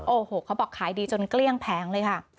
โอ้โหเขาบอกขายดีจนเกลี้ยงแผงเลยค่ะ